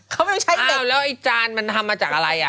เขาไม่ต้องใช้เหล็กอ้าวแล้วไอ้จานมันทำมาจากอะไรอ่ะ